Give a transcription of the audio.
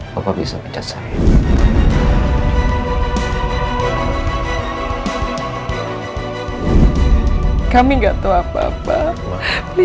bapak bisa menyesal